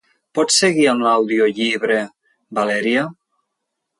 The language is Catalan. Pots seguir amb l'audiollibre "Valeria"?